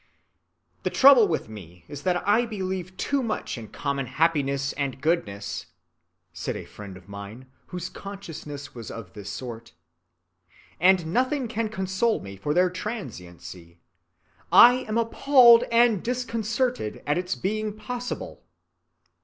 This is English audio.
"The trouble with me is that I believe too much in common happiness and goodness," said a friend of mine whose consciousness was of this sort, "and nothing can console me for their transiency. I am appalled and disconcerted at its being possible."